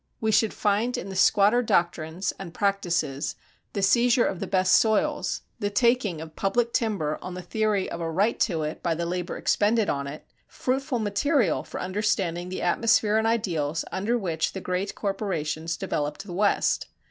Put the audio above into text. We should find in the squatter doctrines and practices, the seizure of the best soils, the taking of public timber on the theory of a right to it by the labor expended on it, fruitful material for understanding the atmosphere and ideals under which the great corporations developed the West.